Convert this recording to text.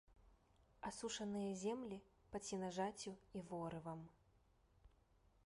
Асушаныя землі пад сенажаццю і ворывам.